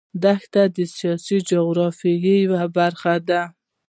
دښتې د سیاسي جغرافیه یوه برخه ده.